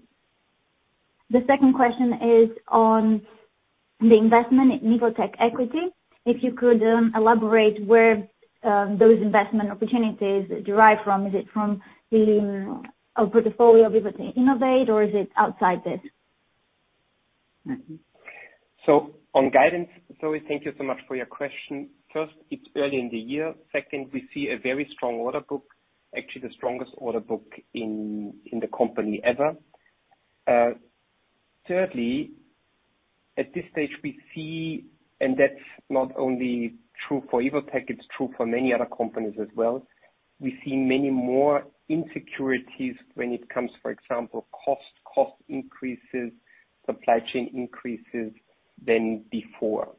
The second question is on the investment in Evotec equity. If you could elaborate where those investment opportunities derive from. Is it from our portfolio of Evotec Innovate or is it outside this? On guidance, Zoe, thank you so much for your question. First, it's early in the year. Second, we see a very strong order book, actually the strongest order book in the company ever. Thirdly, at this stage, we see, and that's not only true for Evotec, it's true for many other companies as well. We see many more insecurities when it comes, for example, cost increases, supply chain increases than before.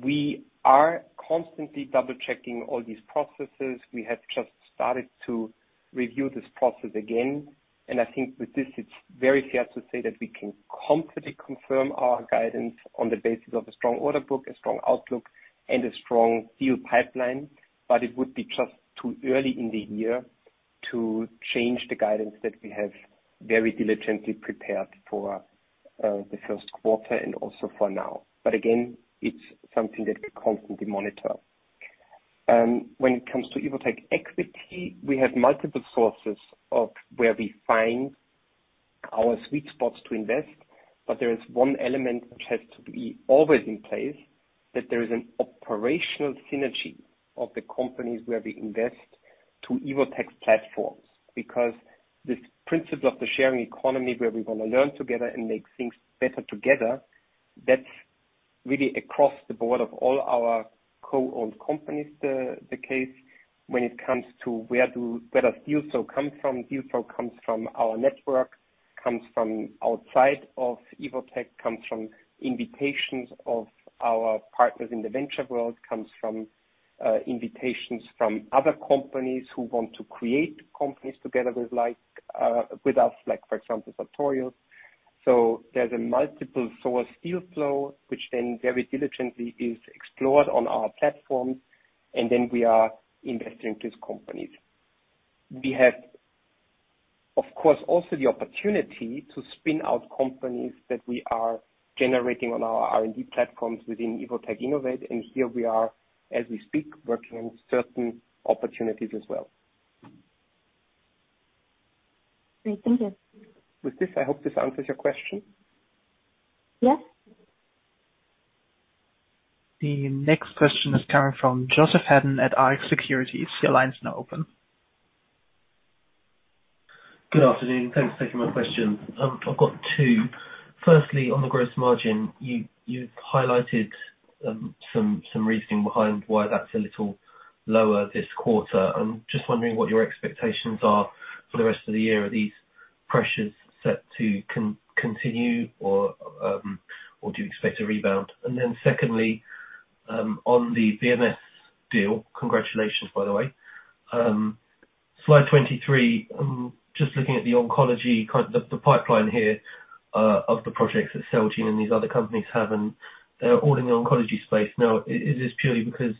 We are constantly double-checking all these processes. We have just started to review this process again, and I think with this it's very fair to say that we can confidently confirm our guidance on the basis of a strong order book, a strong outlook and a strong deal pipeline. It would be just too early in the year to change the guidance that we have very diligently prepared for the first quarter and also for now. Again, it's something that we constantly monitor. When it comes to Evotec equity, we have multiple sources of where we find our sweet spots to invest. There is one element which has to be always in place, that there is an operational synergy of the companies where we invest to Evotec's platforms. Because this principle of the sharing economy where we wanna learn together and make things better together, that's really across the board of all our co-owned companies, the case when it comes to where does deal flow come from. Deal flow comes from our network, comes from outside of Evotec, comes from invitations of our partners in the venture world, comes from invitations from other companies who want to create companies together with, like, with us, like for example, Sartorius. There's a multiple source deal flow, which then very diligently is explored on our platforms, and then we are investing in these companies. We have, of course, also the opportunity to spin out companies that we are generating on our R&D platforms within EVT Innovate, and here we are, as we speak, working on certain opportunities as well. Great. Thank you. With this, I hope this answers your question. Yes. The next question is coming from Joseph Hedden at Rx Securities. Your line is now open. Good afternoon. Thanks for taking my question. I've got two. Firstly, on the gross margin, you highlighted some reasoning behind why that's a little lower this quarter. I'm just wondering what your expectations are for the rest of the year. Are these pressures set to continue or do you expect a rebound? And then secondly, on the BMS deal, congratulations by the way. Slide 23, just looking at the oncology kind of the pipeline here, of the projects that Celgene and these other companies have, and they're all in the oncology space. Now, is this purely because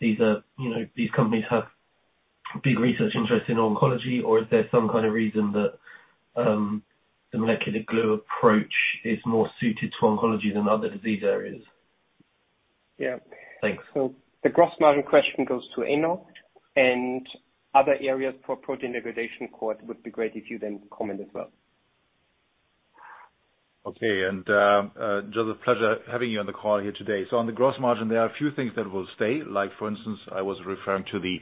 these are, you know, these companies have big research interest in oncology or is there some kind of reason that the molecular glue approach is more suited to oncology than other disease areas? Yeah. Thanks. The gross margin question goes to Enno and other areas for protein degradation, Cord Dohrmann, would be great if you then comment as well. Okay. Joseph, pleasure having you on the call here today. On the gross margin, there are a few things that will stay. Like for instance, I was referring to the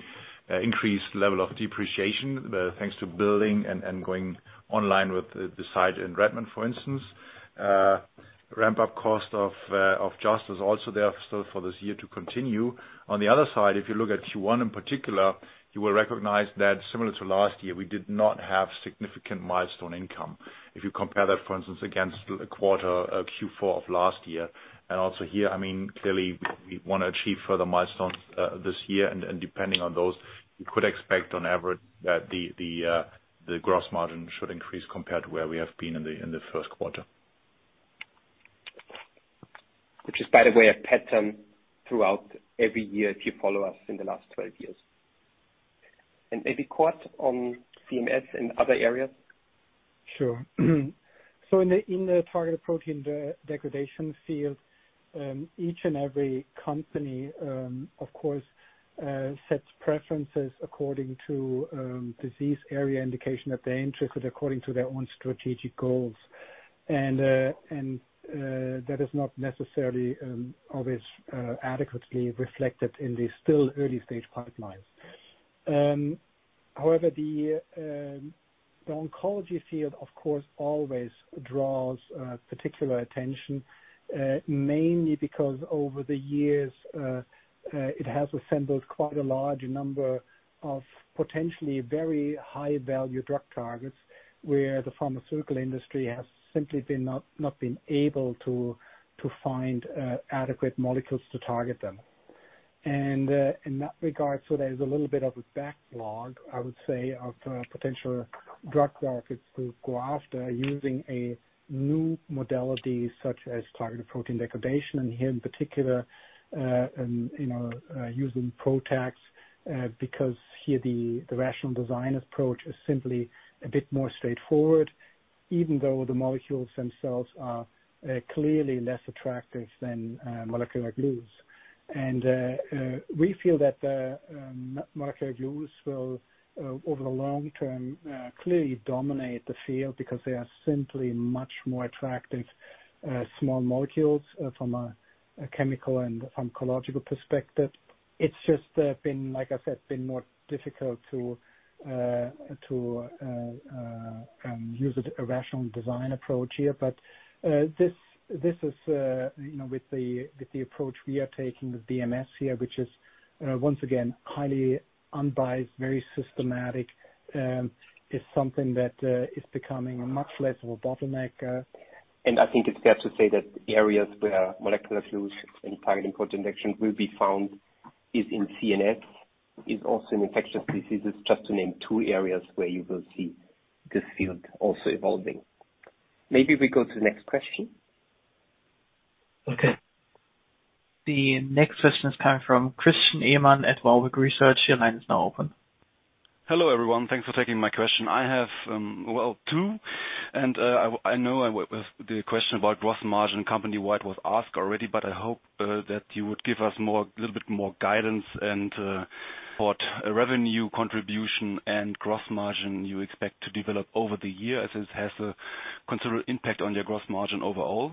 increased level of depreciation, thanks to building and going online with the site in Redmond, for instance. Ramp up cost of Just is also there still for this year to continue. On the other side, if you look at Q1 in particular, you will recognize that similar to last year, we did not have significant milestone income. If you compare that, for instance, against a quarter of Q4 of last year, and also here, I mean, clearly we want to achieve further milestones this year and depending on those, you could expect on average that the gross margin should increase compared to where we have been in the first quarter. Which is by the way a pattern throughout every year if you follow us in the last 12 years. Maybe Cord Dohrmann on CNS and other areas. Sure. In the targeted protein degradation field, each and every company, of course, sets preferences according to disease area indication that they entered according to their own strategic goals. That is not necessarily always adequately reflected in the still early stage pipelines. However, the oncology field, of course, always draws particular attention, mainly because over the years it has assembled quite a large number of potentially very high value drug targets where the pharmaceutical industry has simply not been able to find adequate molecules to target them. In that regard, there's a little bit of a backlog, I would say, of potential drug targets to go after using a new modality such as targeted protein degradation. Here in particular, you know, using PROTACs, because here the rational design approach is simply a bit more straightforward, even though the molecules themselves are clearly less attractive than molecular glues. We feel that the molecular glues will, over the long term, clearly dominate the field because they are simply much more attractive small molecules from a chemical and pharmacological perspective. It's just, like I said, been more difficult to use a rational design approach here. But this is, you know, with the approach we are taking with BMS here, which is, once again, highly unbiased, very systematic, is something that is becoming much less of a bottleneck. I think it's fair to say that areas where molecular glues and targeted protein degradation will be found is in CNS, is also in infectious diseases, just to name two areas where you will see this field also evolving. Maybe we go to the next question. Okay. The next question is coming from Christian Ehmann at Warburg Research. Your line is now open. Hello everyone. Thanks for taking my question. I have well, two. I know the question about gross margin company-wide was asked already, but I hope that you would give us more, a little bit more guidance and what revenue contribution and gross margin you expect to develop over the year as it has a considerable impact on your gross margin overall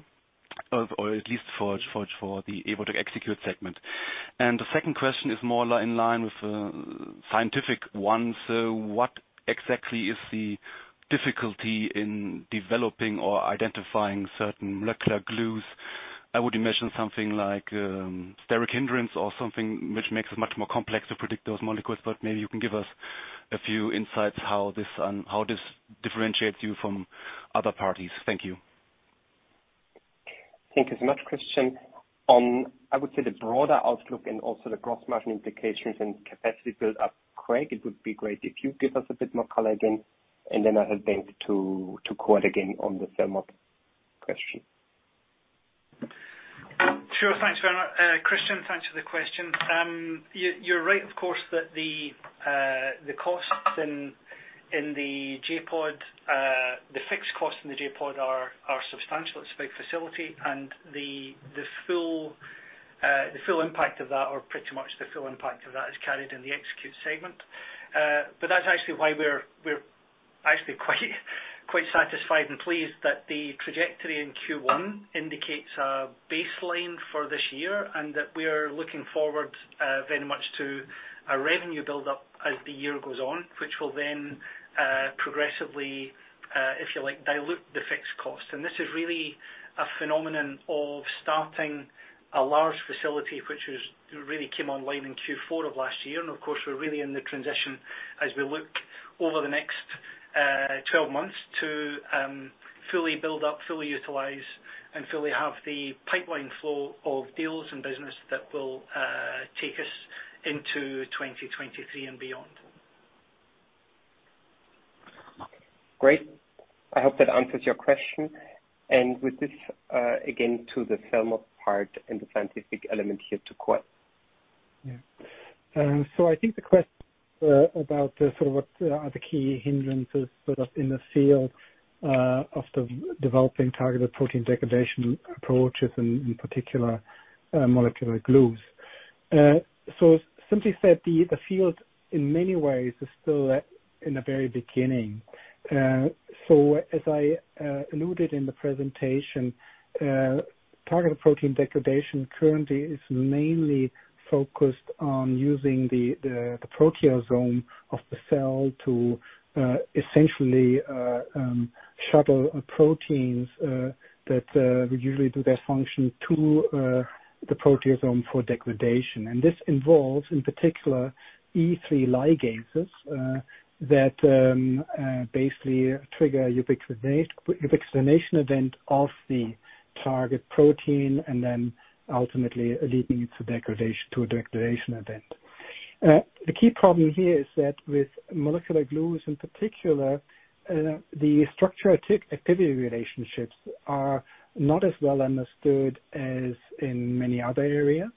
or at least for the EVT Execute segment. The second question is more in line with scientific one. What exactly is the difficulty in developing or identifying certain molecular glues. I would imagine something like steric hindrance or something which makes it much more complex to predict those molecules, but maybe you can give us a few insights how this differentiates you from other parties. Thank you. Thank you so much, Christian. On, I would say, the broader outlook and also the gross margin implications and capacity build-up, Craig, it would be great if you give us a bit more color again, and then I'll hand to Cord again on the CELMoD question. Sure. Thanks, Werner. Christian, thanks for the question. You're right, of course, that the costs in the J.POD, the fixed costs in the J.POD are substantial. It's a big facility, and the full impact of that, or pretty much the full impact of that, is carried in the Execute segment. But that's actually why we're actually quite satisfied and pleased that the trajectory in Q1 indicates a baseline for this year, and that we're looking forward very much to a revenue build-up as the year goes on, which will then progressively, if you like, dilute the fixed cost. This is really a phenomenon of starting a large facility, which really came online in Q4 of last year. Of course, we're really in the transition as we look over the next 12 months to fully build up, fully utilize, and fully have the pipeline flow of deals and business that will take us into 2023 and beyond. Great. I hope that answers your question. With this, again, to the CELMoD part and the scientific element here to Cord Dohrmann. I think the question about the sort of what are the key hindrances sort of in the field of developing targeted protein degradation approaches and in particular, molecular glues. Simply said, the field in many ways is still in the very beginning. As I alluded in the presentation, targeted protein degradation currently is mainly focused on using the proteasome of the cell to essentially shuttle proteins that would usually do their function to the proteasome for degradation. This involves, in particular, E3 ligases that basically trigger ubiquitination event of the target protein and then ultimately leading into degradation to a degradation event. The key problem here is that with molecular glues in particular, the structure activity relationships are not as well understood as in many other areas.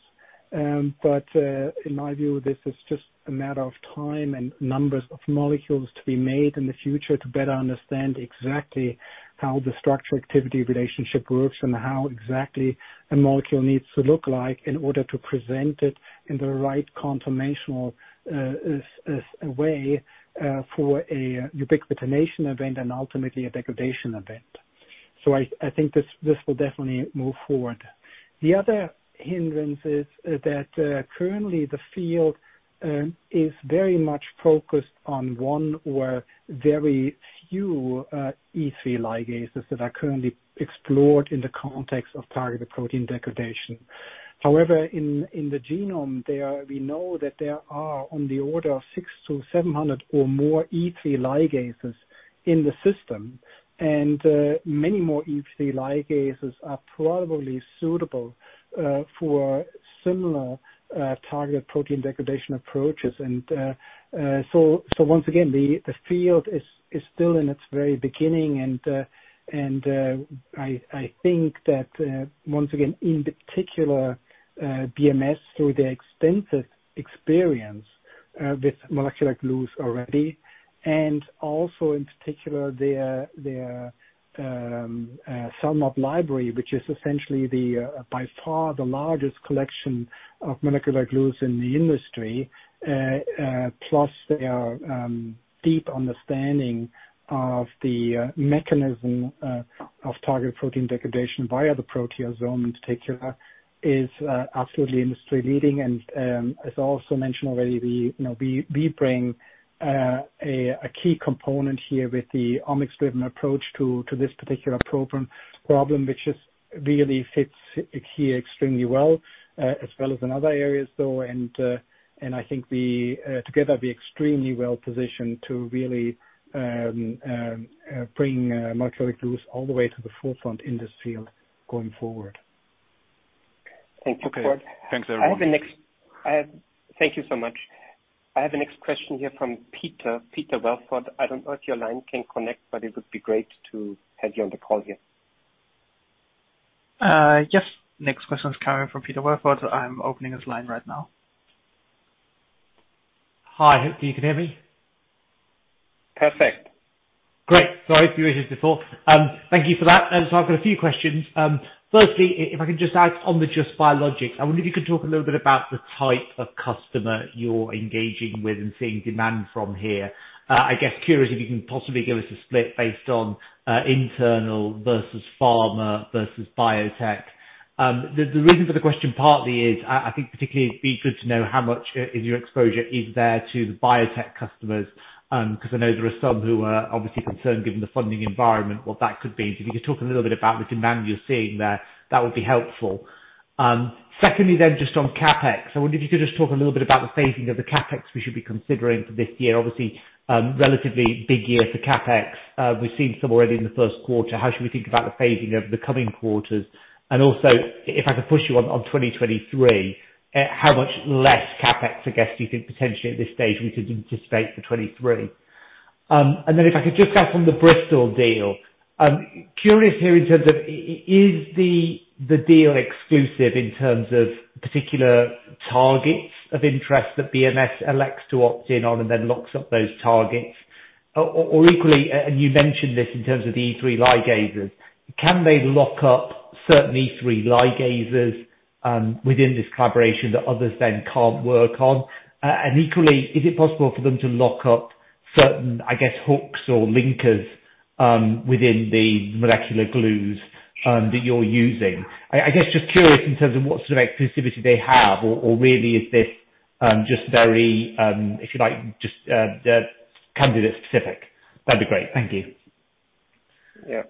In my view, this is just a matter of time and numbers of molecules to be made in the future to better understand exactly how the structure activity relationship works and how exactly a molecule needs to look like in order to present it in the right conformational way for a ubiquitination event and ultimately a degradation event. I think this will definitely move forward. The other hindrance is that currently the field is very much focused on one or very few E3 ligases that are currently explored in the context of targeted protein degradation. However, in the genome, we know that there are on the order of 600-700 or more E3 ligases in the system, and many more E3 ligases are probably suitable for similar targeted protein degradation approaches. Once again, the field is still in its very beginning, and I think that once again, in particular, BMS through their extensive experience with molecular glues already, and also in particular their CELMoD library, which is essentially by far the largest collection of molecular glues in the industry. Plus their deep understanding of the mechanism of targeted protein degradation via the proteasome in particular is absolutely industry-leading. As I also mentioned already, you know, we bring a key component here with the omics-driven approach to this particular program problem, which just really fits here extremely well, as well as in other areas, though. I think we together be extremely well-positioned to really bring molecular glues all the way to the forefront in this field going forward. Thank you, Cord Dohrmann. Okay. Thanks, everyone. Thank you so much. I have the next question here from Peter Welford. I don't know if your line can connect, but it would be great to have you on the call here. Yes. Next question is coming from Peter Welford. I'm opening his line right now. Hi. Hope you can hear me. Perfect. Great. Sorry if you heard this before. Thank you for that. I've got a few questions. Firstly, if I could just add on the Just – Evotec Biologics, I wonder if you could talk a little bit about the type of customer you're engaging with and seeing demand from here. I guess curious if you can possibly give us a split based on internal versus pharma versus biotech. The reason for the question partly is I think particularly it'd be good to know how much is your exposure there to the biotech customers, 'cause I know there are some who are obviously concerned given the funding environment, what that could be. If you could talk a little bit about the demand you're seeing there, that would be helpful. Just on CapEx, I wonder if you could just talk a little bit about the phasing of the CapEx we should be considering for this year. Obviously, relatively big year for CapEx. We've seen some already in the first quarter. How should we think about the phasing over the coming quarters? If I could push you on 2023, how much less CapEx, I guess, do you think potentially at this stage we could anticipate for 2023? If I could just ask on the Bristol deal, curious here in terms of is the deal exclusive in terms of particular targets of interest that BMS elects to opt in on and then locks up those targets? Equally, and you mentioned this in terms of the E3 ligases, can they lock up certain E3 ligases within this collaboration that others then can't work on? Equally, is it possible for them to lock up certain, I guess, hooks or linkers within the molecular glues that you're using? I guess, just curious in terms of what sort of exclusivity they have or really is this just very, if you like, just candidate specific? That'd be great. Thank you. Yeah.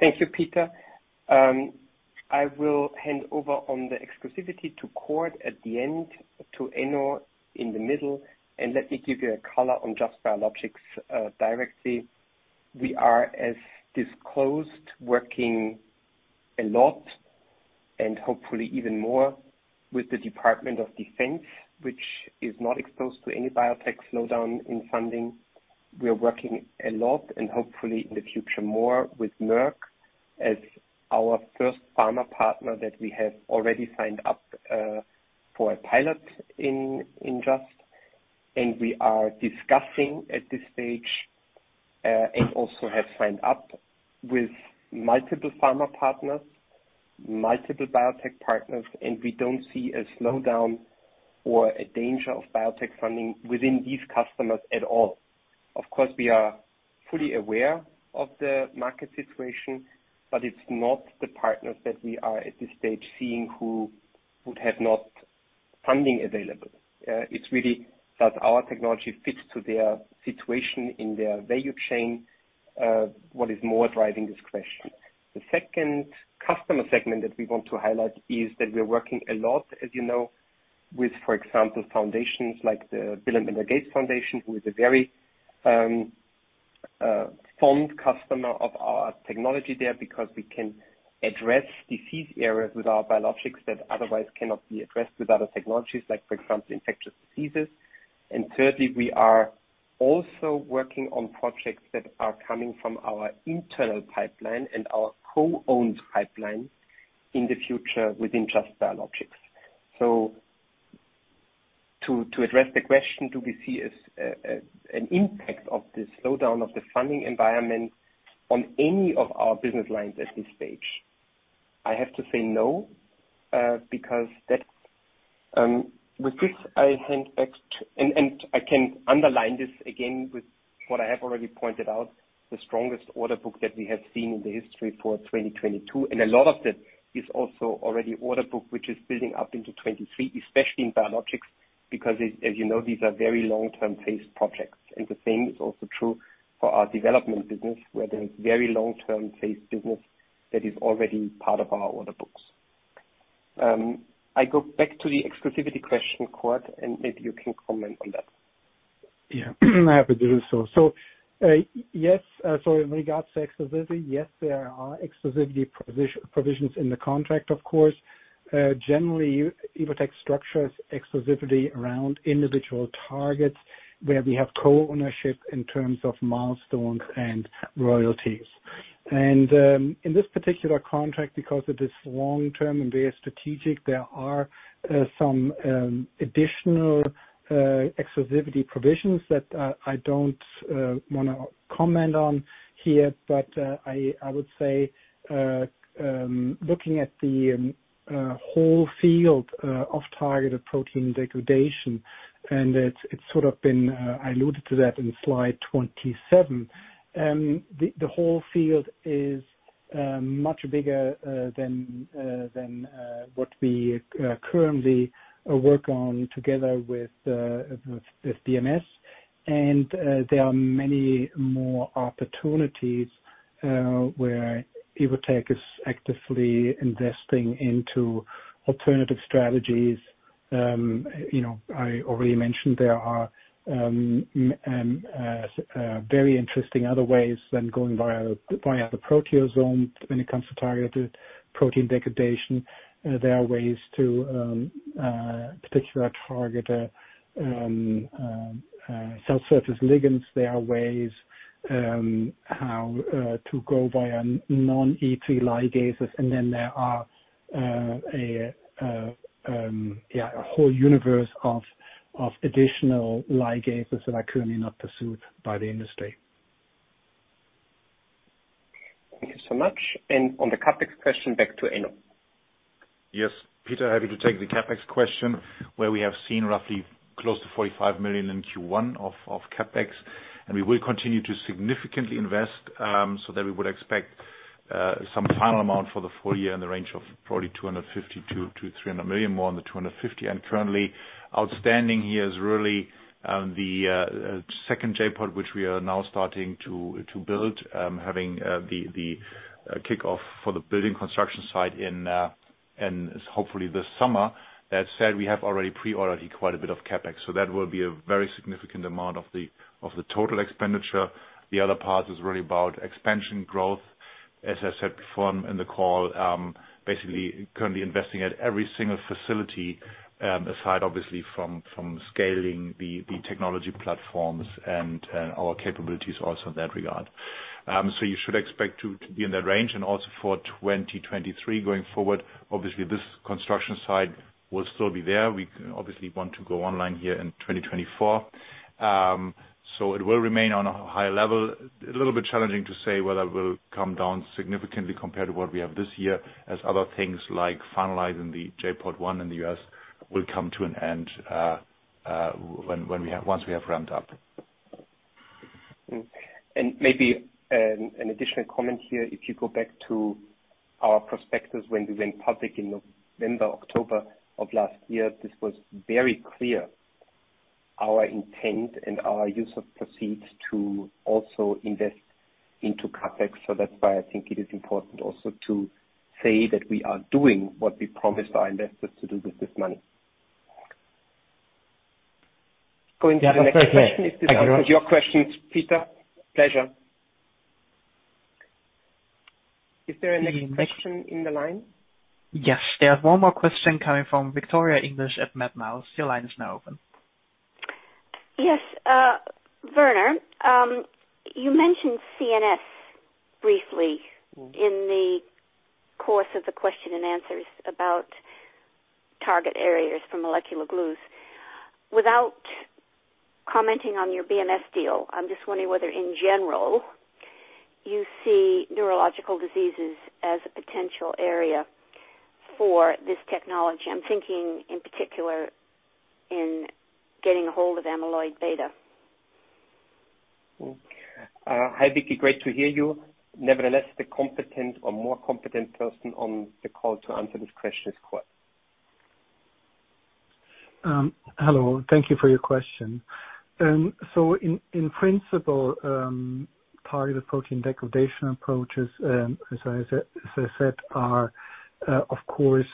Thank you, Peter. I will hand over on the exclusivity to Cord at the end, to Enno in the middle, and let me give you a color on Just – Evotec Biologics directly. We are, as disclosed, working a lot and hopefully even more with the Department of Defense, which is not exposed to any biotech slowdown in funding. We are working a lot and hopefully in the future more with Merck KGaA as our first pharma partner that we have already signed up for a pilot in Just – Evotec Biologics, and we are discussing at this stage and also have signed up with multiple pharma partners, multiple biotech partners, and we don't see a slowdown or a danger of biotech funding within these customers at all. Of course, we are fully aware of the market situation, but it's not the partners that we are at this stage seeing who would have no funding available. It's really that our technology fits to their situation in their value chain, what is more driving this question. The second customer segment that we want to highlight is that we are working a lot, as you know, with, for example, foundations like the Bill & Melinda Gates Foundation, who is a very fond customer of our technology there because we can address disease areas with our biologics that otherwise cannot be addressed with other technologies, like for example, infectious diseases. Thirdly, we are also working on projects that are coming from our internal pipeline and our co-owned pipeline in the future within Just – Evotec Biologics. To address the question, do we see any impact of the slowdown of the funding environment on any of our business lines at this stage? I have to say no, because that with this, I think I can underline this again with what I have already pointed out, the strongest order book that we have seen in the history for 2022. A lot of that is also already order book, which is building up into 2023, especially in biologics, because as you know, these are very long-term phased projects. The same is also true for our development business, where there is very long-term phased business that is already part of our order books. I go back to the exclusivity question, Cord, and maybe you can comment on that. Yeah. Happy to do so. Yes, in regards to exclusivity, yes, there are exclusivity provisions in the contract, of course. Generally, Evotec structures exclusivity around individual targets where we have co-ownership in terms of milestones and royalties. In this particular contract, because it is long-term and very strategic, there are some additional exclusivity provisions that I don't wanna comment on here. I would say, looking at the whole field of targeted protein degradation, and it's sort of been, I alluded to that in slide 27. The whole field is much bigger than what we currently work on together with BMS. There are many more opportunities where Evotec is actively investing into alternative strategies. You know, I already mentioned there are very interesting other ways than going via the proteasome when it comes to targeted protein degradation. There are ways to particularly target cell surface ligands. There are ways to go via non-E3 ligases. Then there are a whole universe of additional ligases that are currently not pursued by the industry. Thank you so much. On the CapEx question, back to Enno. Yes, Peter. Happy to take the CapEx question, where we have seen roughly close to 45 million in Q1 of CapEx, and we will continue to significantly invest, so that we would expect some final amount for the full year in the range of probably 250 million-300 million, more on the 250. Currently outstanding here is really the second J.POD, which we are now starting to build, having the kickoff for the building construction site in Hopefully this summer. That said, we have already pre-ordered quite a bit of CapEx, so that will be a very significant amount of the total expenditure. The other part is really about expansion growth. As I said before in the call, basically currently investing at every single facility, aside obviously from scaling the technology platforms and our capabilities also in that regard. You should expect to be in that range and also for 2023 going forward. Obviously, this construction site will still be there. We obviously want to go online here in 2024. It will remain on a high level. A little bit challenging to say whether it will come down significantly compared to what we have this year as other things like finalizing the J.POD one in the U.S. will come to an end, once we have ramped up. Maybe an additional comment here. If you go back to our prospectus when we went public in November, October of last year, this was very clear our intent and our use of proceeds to also invest into CapEx. That's why I think it is important also to say that we are doing what we promised our investors to do with this money. Yeah, that's right. Going to the next question. If this answers your questions, Peter. Pleasure. Is there a next question in the line? Yes. There's one more question coming from Victoria English at MedNous. Your line is now open. Yes. Werner, you mentioned CNS briefly. Mm-hmm. In the course of the question and answers about target areas for molecular glues. Without commenting on your BMS deal, I'm just wondering whether, in general, you see neurological diseases as a potential area for this technology. I'm thinking in particular in getting a hold of amyloid beta. Hi, Vicky. Great to hear you. Nevertheless, the competent or more competent person on the call to answer this question is Cord Dohrmann. Hello. Thank you for your question. In principle, targeted protein degradation approaches, as I said, are, of course,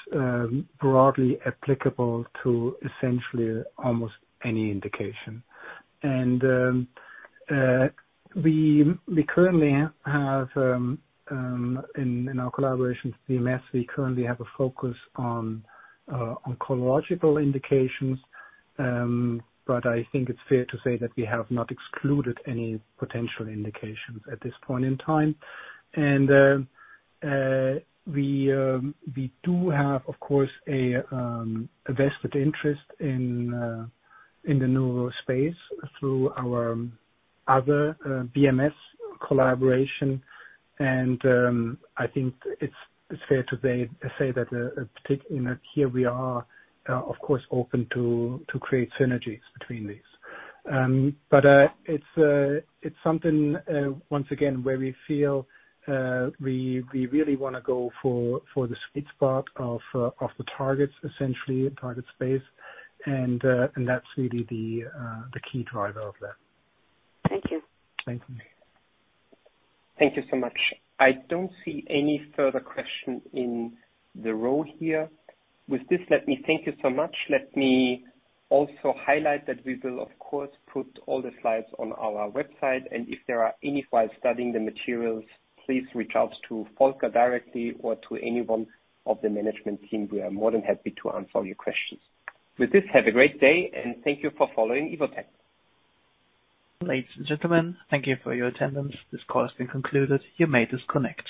broadly applicable to essentially almost any indication. We currently have in our collaboration with BMS a focus on oncological indications. I think it's fair to say that we have not excluded any potential indications at this point in time. We do have, of course, a vested interest in the neural space through our other BMS collaboration. I think it's fair to say that you know, here we are, of course, open to create synergies between these. It's something once again where we feel we really wanna go for the sweet spot of the targets, essentially target space. That's really the key driver of that. Thank you. Thank you. Thank you so much. I don't see any further question in the row here. With this, let me thank you so much. Let me also highlight that we will, of course, put all the slides on our website. If there are any while studying the materials, please reach out to Volker directly or to anyone of the management team. We are more than happy to answer all your questions. With this, have a great day, and thank you for following Evotec. Ladies and gentlemen, thank you for your attendance. This call has been concluded. You may disconnect.